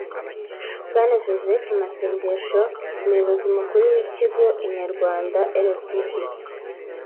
Bwana Joseph Masengesho umuyobozi mukuru w'ikigo Inyarwanda Ltd